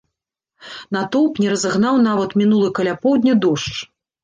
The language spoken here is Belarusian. Натоўп не разагнаў нават мінулы каля поўдня дождж.